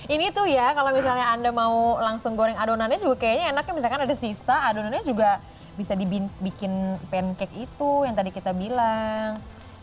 ini tuh ya kalau misalnya anda mau langsung goreng adonannya juga kayaknya enaknya misalkan ada sisa adonannya juga bisa dibikin pancake itu yang tadi kita bilang